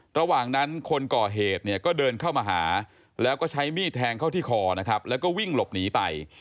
ระหว่างนั้นคนก่อเหตุเนี่ยก็เดินเข้ามาหาแล้วก็ใช้มีดแทงเข้าที่คอนะครับแล้วก็วิ่งหลบหนีไป